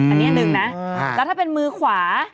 อันนี้อันหนึ่งนะแล้วถ้าเป็นมือขวา